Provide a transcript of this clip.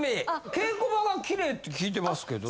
稽古場がキレイって聞いてますけど。